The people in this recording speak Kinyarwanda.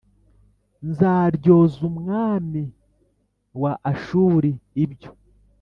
nzaryoza umwami wa Ashuri ibyo